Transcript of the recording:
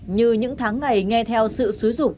như những tháng ngày nghe theo sự xúi dục